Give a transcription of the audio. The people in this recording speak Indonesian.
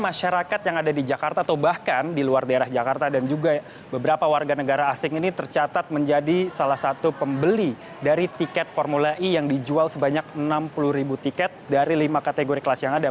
masyarakat yang ada di jakarta atau bahkan di luar daerah jakarta dan juga beberapa warga negara asing ini tercatat menjadi salah satu pembeli dari tiket formula e yang dijual sebanyak enam puluh ribu tiket dari lima kategori kelas yang ada